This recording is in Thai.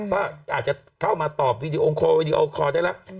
เพราะอาจจะเข้ามาตอบวีดีโอคอตได้ละ